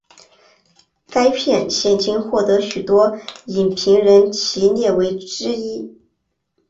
该片现今获得许多影评人将其列为之一。